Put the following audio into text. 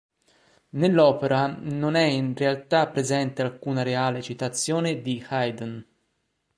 Nell'opera non è in realtà presente alcuna reale citazione di Haydn.